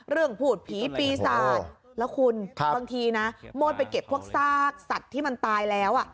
พูดผีปีศาจแล้วคุณบางทีนะโมดไปเก็บพวกซากสัตว์ที่มันตายแล้ว